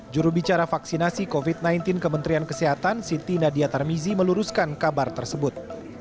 jurubicara vaksinasi covid sembilan belas kementerian kesehatan siti nadia tarmizi meluruskan kabar tersebut